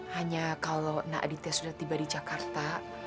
hanya kalau nak aditya sudah tiba di jakarta